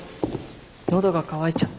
喉が渇いちゃった。